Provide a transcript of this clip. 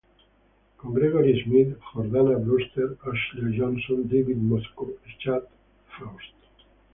Con Gregory Smith, Jordana Brewster, Ashley Johnson, David Moscow y Chad Faust.